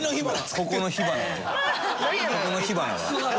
ここの火花は。